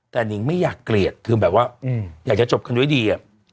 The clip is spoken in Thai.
แต่นิงไม่อยากเกลียดคือแบบว่าอยากจะจบกันด้วยดี